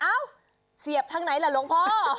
เอ้าเสียบทางไหนล่ะหลวงพ่อ